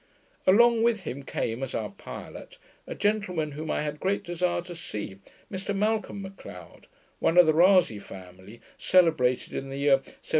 Along with him came, as our pilot, a gentleman whom I had a great desire to see, Mr Malcolm Macleod, one of the Rasay family, celebrated in the year 1745 6.